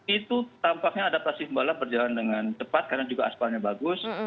itu tampaknya adaptasi pembalap berjalan dengan cepat karena juga aspalnya bagus